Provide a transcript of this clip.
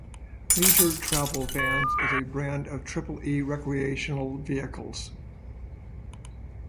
Leisure Travel Vans is a brand of Triple E Recreational Vehicles.